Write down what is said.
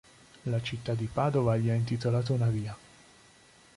La città di Padova gli ha intitolato una via.